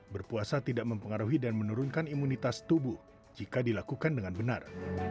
berpuasa tidak mempengaruhi dan menurunkan imunitas tubuh jika dilakukan dengan benar